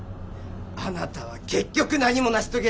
あなたは結局何も成し遂げられない。